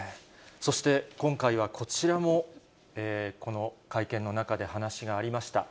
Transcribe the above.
そして今回はこちらも、この会見の中で話がありました。